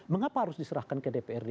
mengapa harus diserahkan ke dprd